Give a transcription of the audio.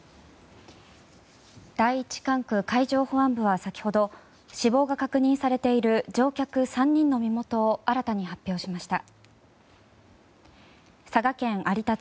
第一管区海上保安部は先ほど死亡が確認されている乗客３人の身元を新たに発表しました。